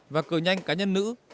và cờ nhanh cá nhân nữ